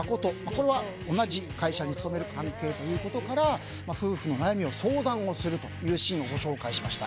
これは同じ会社に勤めるという関係から夫婦の悩みを相談をするシーンをご紹介しました。